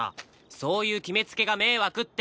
そういう決めつけが迷惑って。